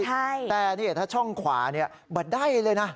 แต่นี่ถ้าช่องขวาเนี่ยบะได้เลยนะ